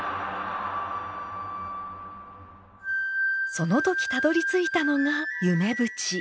その時たどりついたのが夢淵。